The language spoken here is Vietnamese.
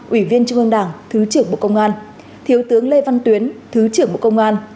ủy viên trung ương đảng thứ trưởng bộ công an thiếu tướng lê văn tuyến thứ trưởng bộ công an